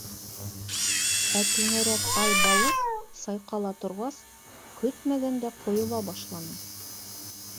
Ә түңәрәк Ай-балыҡ, сайҡала торғас, көтмәгәндә ҡойола башланы.